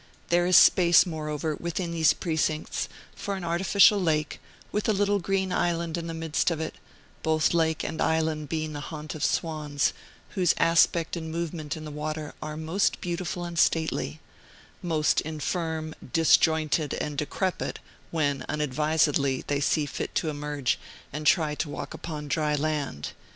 There is space, moreover, within these precincts, for an artificial lake, with a little green island in the midst of it; both lake and island being the haunt of swans, whose aspect and movement in the water are most beautiful and stately, most infirm, disjointed, and decrepit, when, unadvisedly, they see fit to emerge, and try to walk upon dry land.